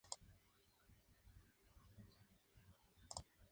Se cubre con cúpula sobre pechinas que, al exterior ofrece tambor octogonal.